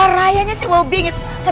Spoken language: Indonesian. matanya begitu melihat saya